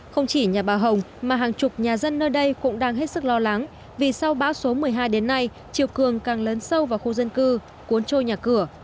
không chỉ nhà bà hồng mà hàng chục nhà dân nơi đây cũng đang hết sức lo lắng vì sau bão số một mươi hai đến nay chiều cường càng lớn sâu vào khu dân cư cuốn trôi nhà cửa